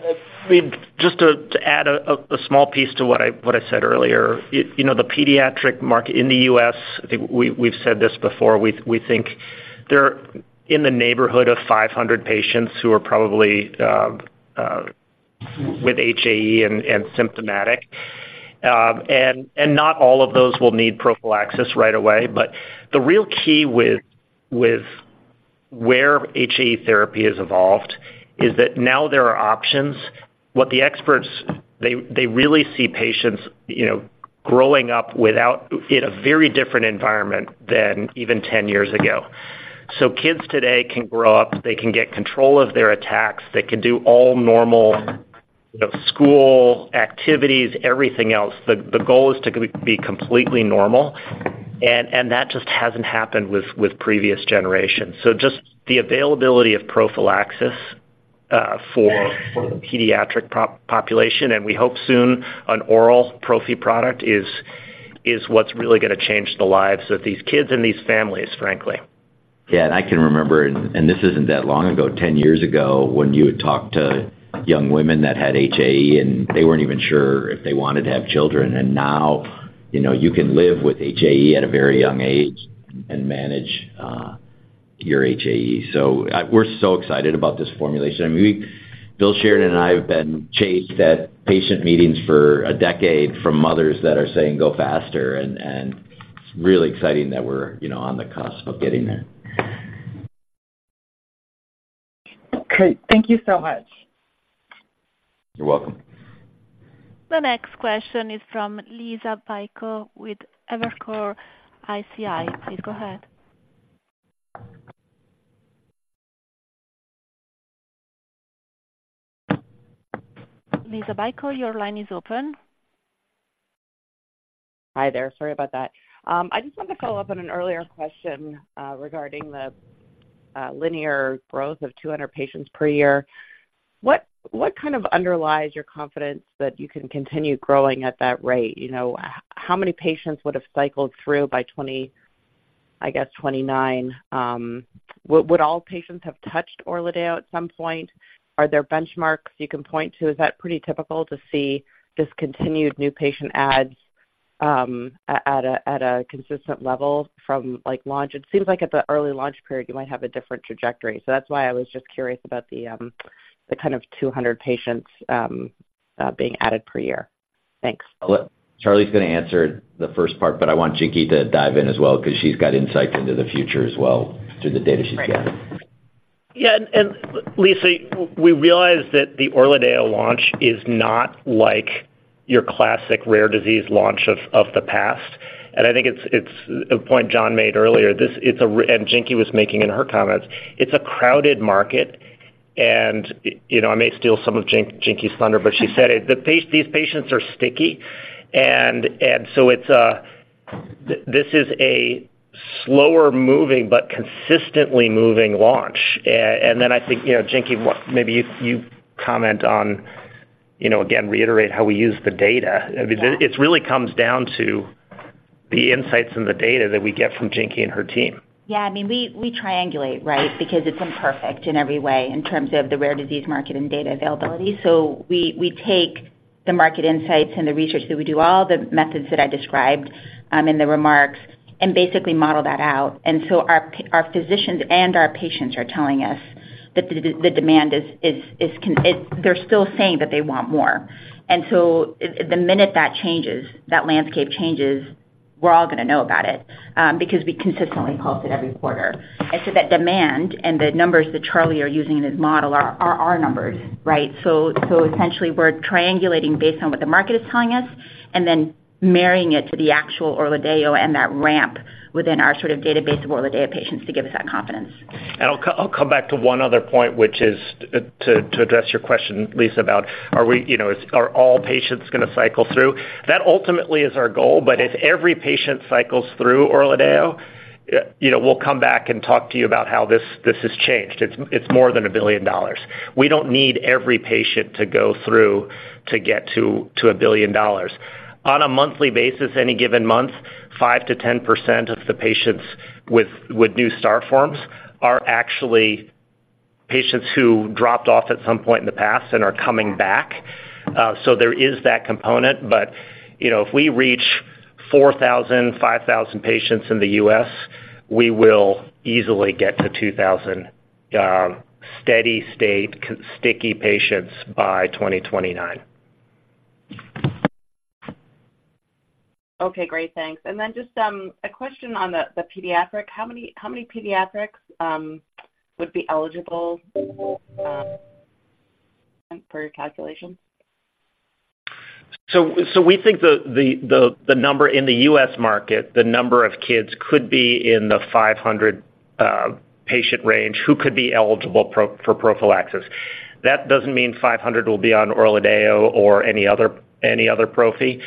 just to add a small piece to what I said earlier, you know, the pediatric market in the U.S., I think we've said this before, we think they're in the neighborhood of 500 patients who are probably with HAE and symptomatic. And not all of those will need prophylaxis right away. But the real key with where HAE therapy has evolved is that now there are options. What the experts they really see patients, you know, growing up without in a very different environment than even 10 years ago. So kids today can grow up, they can get control of their attacks, they can do all normal, you know, school activities, everything else. The goal is to be completely normal, and that just hasn't happened with previous generations. So just the availability of prophylaxis for pediatric population, and we hope soon an oral prophy product, is what's really gonna change the lives of these kids and these families, frankly. Yeah, and I can remember, this isn't that long ago, 10 years ago, when you had talked to young women that had HAE, and they weren't even sure if they wanted to have children. And now, you know, you can live with HAE at a very young age and manage your HAE. So, we're so excited about this formulation. I mean, we, Bill Sheridan and I have been chased at patient meetings for a decade from mothers that are saying, "Go faster," and it's really exciting that we're, you know, on the cusp of getting there. Great. Thank you so much. You're welcome. The next question is from Liisa Bayko with Evercore ISI. Please go ahead. Liisa Bayko, your line is open. Hi there. Sorry about that. I just wanted to follow up on an earlier question regarding the linear growth of 200 patients per year. What kind of underlies your confidence that you can continue growing at that rate? You know, how many patients would have cycled through by 2029? Would all patients have touched ORLADEYO at some point? Are there benchmarks you can point to? Is that pretty typical to see this continued new patient adds at a consistent level from, like, launch? It seems like at the early launch period, you might have a different trajectory. So that's why I was just curious about the kind of 200 patients being added per year. Thanks. Well, Charlie's gonna answer the first part, but I want Jinky to dive in as well, 'cause she's got insight into the future as well, through the data she's gathered. Yeah, Lisa, we realize that the ORLADEYO launch is not like your classic rare disease launch of the past. And I think it's a point John made earlier, and Jinky was making in her comments, it's a crowded market. And, you know, I may steal some of Jinky's thunder, but she said it, that these patients are sticky. And so it's a slower moving, but consistently moving launch. And then I think, you know, Jinky, maybe you comment on, you know, again, reiterate how we use the data. I mean, it really comes down to the insights and the data that we get from Jinky and her team. Yeah, I mean, we triangulate, right? Because it's imperfect in every way in terms of the rare disease market and data availability. So we take the market insights and the research that we do, all the methods that I described in the remarks, and basically model that out. And so our physicians and our patients are telling us that the demand is constant. They're still saying that they want more. And so the minute that changes, that landscape changes, we're all gonna know about it, because we consistently pulse it every quarter. And so that demand and the numbers that Charlie are using in his model are our numbers, right? So, essentially, we're triangulating based on what the market is telling us and then marrying it to the actual ORLADEYO and that ramp within our sort of database of ORLADEYO patients to give us that confidence. And I'll come back to one other point, which is to address your question, Lisa, about are we, you know, are all patients gonna cycle through? That ultimately is our goal, but if every patient cycles through ORLADEYO, you know, we'll come back and talk to you about how this, this has changed. It's, it's more than $1 billion. We don't need every patient to go through to get to $1 billion. On a monthly basis, any given month, 5%-10% of the patients with new start forms are actually patients who dropped off at some point in the past and are coming back. So there is that component, but, you know, if we reach 4,000, 5,000 patients in the U.S., we will easily get to 2,000 steady-state consistently sticky patients by 2029. Okay, great. Thanks. And then just a question on the pediatric. How many pediatrics would be eligible for your calculation? So we think the number in the U.S. market, the number of kids could be in the 500 patient range, who could be eligible for prophylaxis. That doesn't mean 500 will be on ORLADEYO or any other prophy.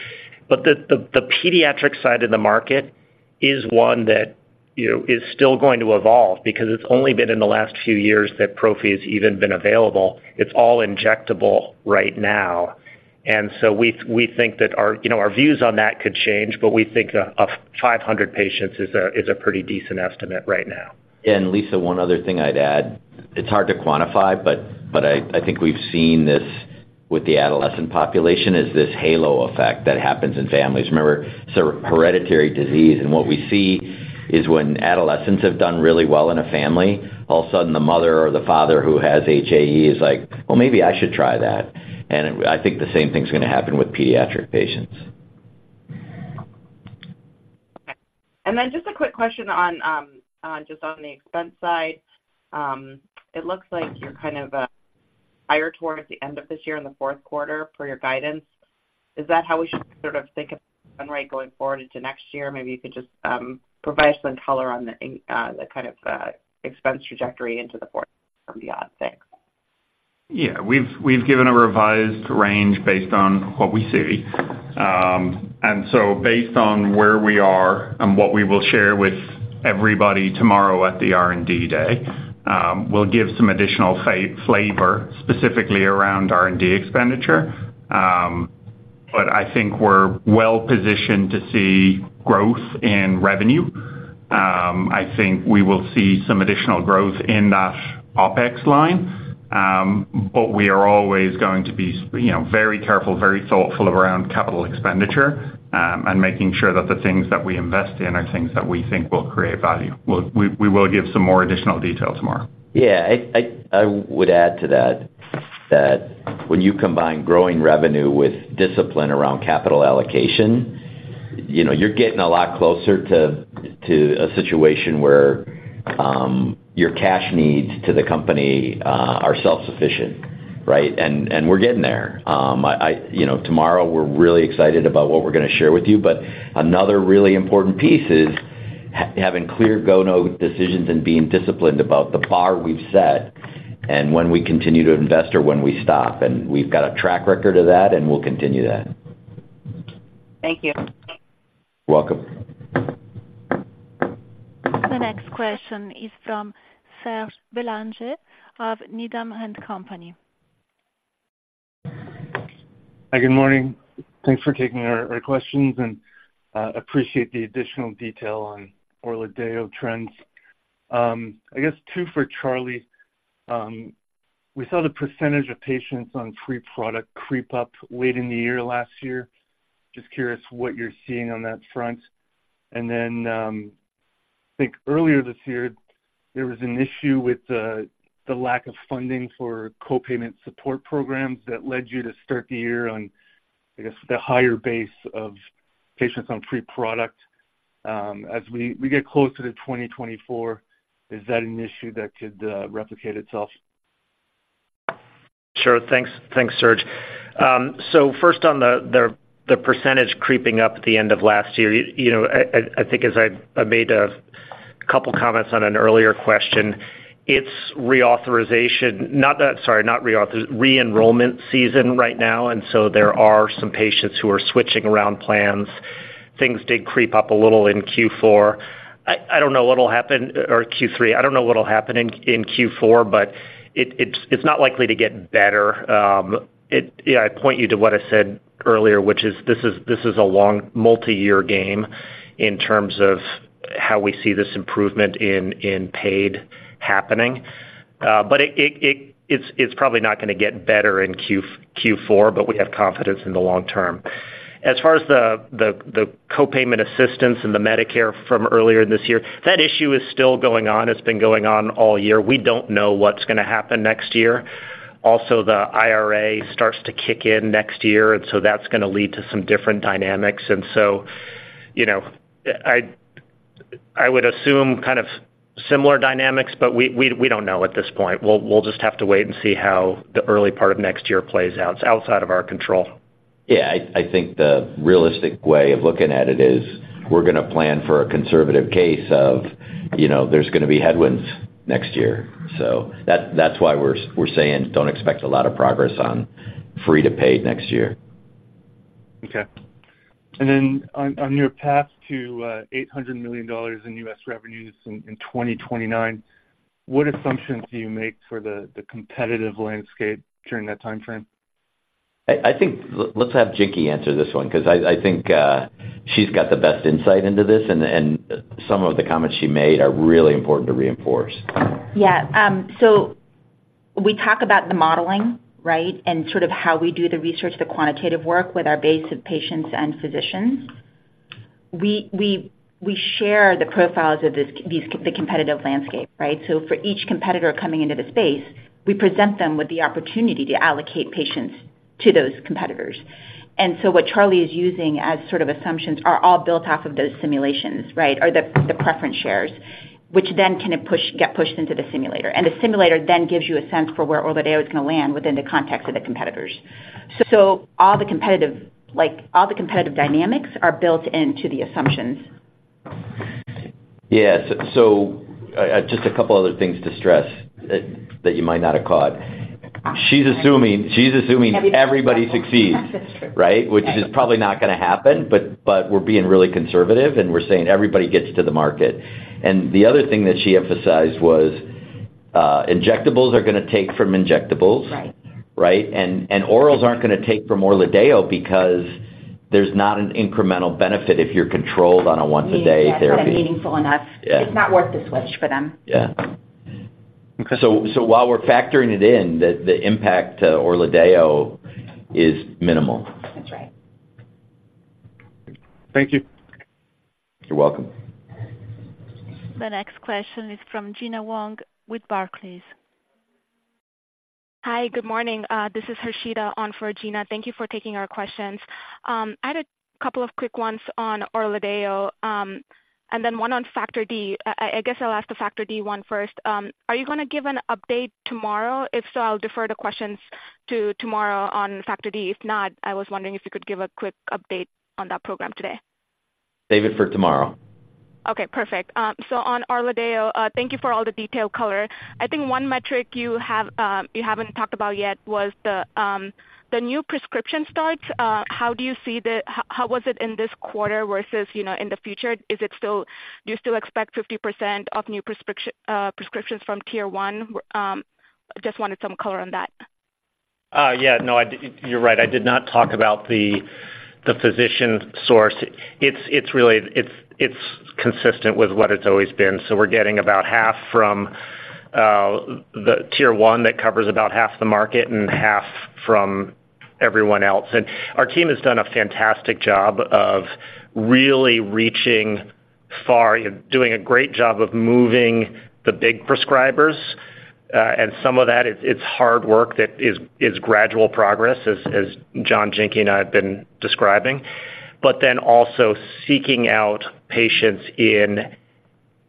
But the pediatric side of the market is one that, you know, is still going to evolve because it's only been in the last few years that prophy has even been available. It's all injectable right now. And so we think that our views on that could change, but we think 500 patients is a pretty decent estimate right now. And Lisa, one other thing I'd add, it's hard to quantify, but, but I, I think we've seen this with the adolescent population, is this halo effect that happens in families. Remember, it's a hereditary disease, and what we see is when adolescents have done really well in a family, all of a sudden, the mother or the father who has HAE is like, "Well, maybe I should try that." And I think the same thing's gonna happen with pediatric patients. Okay. And then just a quick question on, just on the expense side. It looks like you're kind of higher towards the end of this year in the fourth quarter for your guidance. Is that how we should sort of think of going forward into next year? Maybe you could just provide some color on the, the kind of expense trajectory into the fourth from beyond six. Yeah. We've given a revised range based on what we see. And so based on where we are and what we will share with everybody tomorrow at the R&D Day, we'll give some additional flavor, specifically around R&D expenditure. But I think we're well positioned to see growth in revenue. I think we will see some additional growth in that OpEx line, but we are always going to be, you know, very careful, very thoughtful around capital expenditure, and making sure that the things that we invest in are things that we think will create value. We will give some more additional detail tomorrow. Yeah. I would add to that, that when you combine growing revenue with discipline around capital allocation, you know, you're getting a lot closer to a situation where your cash needs to the company are self-sufficient, right? And we're getting there. You know, tomorrow, we're really excited about what we're gonna share with you, but another really important piece is having clear go-no decisions and being disciplined about the bar we've set and when we continue to invest or when we stop. We've got a track record of that, and we'll continue that. Thank you. You're welcome. The next question is from Serge Bélanger of Needham and Company. Hi, good morning. Thanks for taking our, our questions, and appreciate the additional detail on ORLADEYO trends. I guess two for Charlie. We saw the percentage of patients on free product creep up late in the year, last year. Just curious what you're seeing on that front. And then, I think earlier this year, there was an issue with the, the lack of funding for co-payment support programs that led you to start the year on, I guess, the higher base of patients on free product. As we, we get closer to 2024, is that an issue that could replicate itself? Sure. Thanks. Thanks, Serge. So first on the percentage creeping up at the end of last year, you know, I think as I made a couple comments on an earlier question, it's reauthorization, not that - sorry, not reauthorization, re-enrollment season right now, and so there are some patients who are switching around plans. Things did creep up a little in Q4. I don't know what'll happen - or Q3. I don't know what'll happen in Q4, but it's not likely to get better. I point you to what I said earlier, which is this is a long multiyear game in terms of how we see this improvement in paid happening. But it's probably not gonna get better in Q4, but we have confidence in the long term. As far as the copayment assistance and the Medicare from earlier this year, that issue is still going on. It's been going on all year. We don't know what's gonna happen next year. Also, the IRA starts to kick in next year, and so that's gonna lead to some different dynamics. And so, you know, I would assume kind of similar dynamics, but we don't know at this point. We'll just have to wait and see how the early part of next year plays out. It's outside of our control. Yeah, I think the realistic way of looking at it is we're gonna plan for a conservative case of, you know, there's gonna be headwinds next year. So that's why we're saying don't expect a lot of progress on free to paid next year. Okay. And then on your path to $800 million in US revenues in 2029, what assumptions do you make for the competitive landscape during that time frame? I think let's have Jinky answer this one, 'cause I think she's got the best insight into this, and some of the comments she made are really important to reinforce. Yeah, so we talk about the modeling, right? And sort of how we do the research, the quantitative work with our base of patients and physicians. We share the profiles of these, the competitive landscape, right? So for each competitor coming into the space, we present them with the opportunity to allocate patients to those competitors. And so what Charlie is using as sort of assumptions are all built off of those simulations, right? Or the preference shares, which then can push... get pushed into the simulator. And the simulator then gives you a sense for where ORLADEYO is gonna land within the context of the competitors. So all the competitive, like, all the competitive dynamics are built into the assumptions. Yeah, so, just a couple other things to stress that you might not have caught. She's assuming everybody succeeds- That's true. Right? Which is probably not gonna happen, but, but we're being really conservative, and we're saying everybody gets to the market. The other thing that she emphasized was, injectables are gonna take from injectables. Right. Right? And orals aren't gonna take from ORLADEYO because there's not an incremental benefit if you're controlled on a once-a-day therapy. Yeah, not meaningful enough. Yeah. It's not worth the switch for them. Yeah. Okay. So while we're factoring it in, the impact to ORLADEYO is minimal. That's right. Thank you. You're welcome. The next question is from Gena Wang with Barclays. Hi, good morning. This is Rashida on for Gina. Thank you for taking our questions. I had a couple of quick ones on ORLADEYO, and then one on Factor D. I guess I'll ask the Factor D one first. Are you gonna give an update tomorrow? If so, I'll defer the questions to tomorrow on Factor D. If not, I was wondering if you could give a quick update on that program today. Save it for tomorrow. Okay, perfect. So on ORLADEYO, thank you for all the detailed color. I think one metric you have, you haven't talked about yet was the new prescription starts. How do you see the... how was it in this quarter versus, you know, in the future? Is it still... Do you still expect 50% of new prescriptions from tier one? Just wanted some color on that. Yeah, no, you're right, I did not talk about the physician source. It's really consistent with what it's always been. So we're getting about half from the tier one that covers about half the market and half from everyone else. And our team has done a fantastic job of really reaching far, doing a great job of moving the big prescribers. And some of that, it's hard work that is gradual progress, as John, Jinky, and I have been describing. But then also seeking out patients in,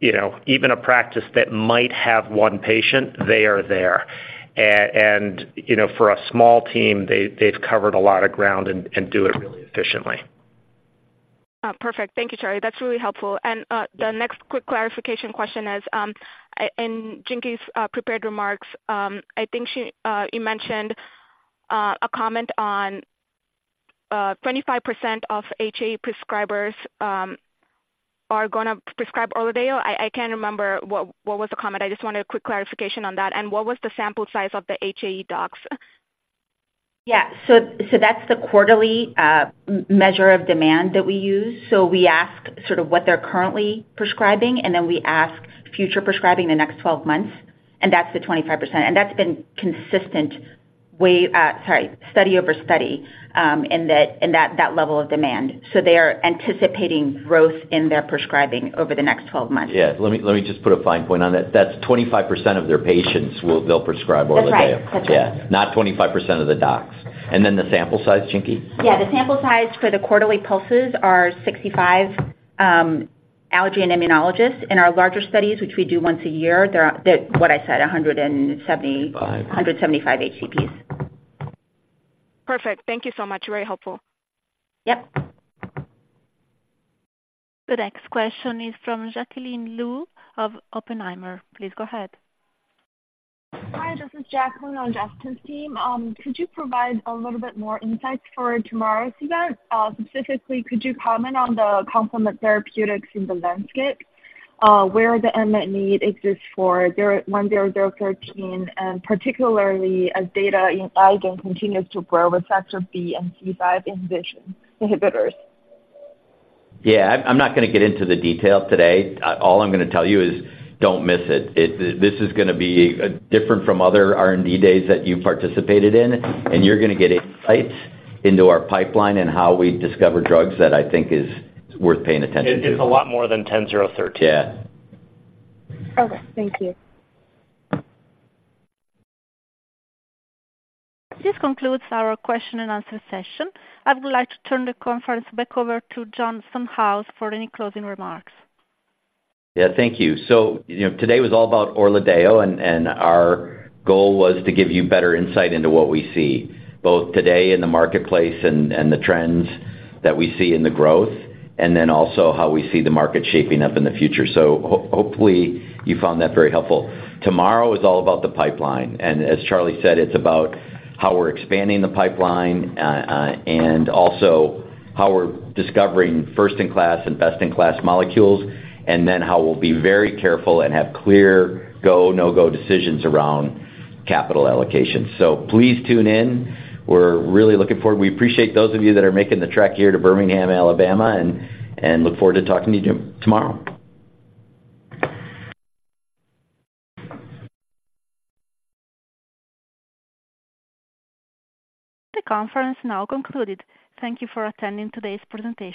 you know, even a practice that might have one patient, they are there. And, you know, for a small team, they've covered a lot of ground and do it really efficiently. Perfect. Thank you, Charlie. That's really helpful. And, the next quick clarification question is, in Jinky's prepared remarks, I think she you mentioned a comment on 25% of HAE prescribers are gonna prescribe ORLADEYO. I, I can't remember what, what was the comment. I just wanted a quick clarification on that. And what was the sample size of the HAE docs? Yeah. So that's the quarterly measure of demand that we use. So we ask sort of what they're currently prescribing, and then we ask future prescribing the next 12 months, and that's the 25%. And that's been consistent way, study over study, in that level of demand. So they are anticipating growth in their prescribing over the next 12 months. Yeah. Let me, let me just put a fine point on that. That's 25% of their patients will- they'll prescribe ORLADEYO. That's right. That's right. Yeah, not 25% of the docs. And then the sample size, Jinky? Yeah, the sample size for the quarterly pulses are 65 allergy and immunologists. In our larger studies, which we do once a year, there are what I said, 170- Five. 175 HCPs. Perfect. Thank you so much. Very helpful. Yep. The next question is from Jacqueline Lu of Oppenheimer. Please go ahead. Hi, this is Jacqueline on Justin's team. Could you provide a little bit more insight for tomorrow's event? Specifically, could you comment on the complement therapeutics in the landscape, where the unmet need exists for BCX10013, and particularly as data in IgAN continues to grow with Factor B and C5 inhibitors? Yeah, I'm, I'm not gonna get into the detail today. All I'm gonna tell you is, don't miss it. This is gonna be different from other R&D days that you participated in, and you're gonna get insights into our pipeline and how we discover drugs that I think is worth paying attention to. It's a lot more than 10013. Yeah. Okay, thank you. This concludes our question and answer session. I would like to turn the conference back over to John Bluth for any closing remarks. Yeah, thank you. So, you know, today was all about ORLADEYO, and, and our goal was to give you better insight into what we see, both today in the marketplace and, and the trends that we see in the growth, and then also how we see the market shaping up in the future. So hopefully, you found that very helpful. Tomorrow is all about the pipeline, and as Charlie said, it's about how we're expanding the pipeline, and also how we're discovering first-in-class and best-in-class molecules, and then how we'll be very careful and have clear go, no-go decisions around capital allocation. So please tune in. We're really looking forward. We appreciate those of you that are making the trek here to Birmingham, Alabama, and, and look forward to talking to you tomorrow. The conference now concluded. Thank you for attending today's presentation.